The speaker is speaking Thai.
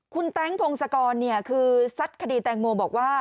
คุณแต๊งพงศกรคือซัดคดีแตงโมบอกว่า